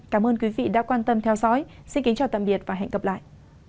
cảm ơn quý vị đã quan tâm theo dõi xin kính chào tạm biệt và hẹn gặp lại